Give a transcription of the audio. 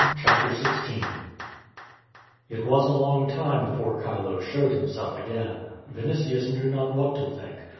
CHAPTER XVL It was a long time before Chilo showed himself again. Yinitius knew not what to think.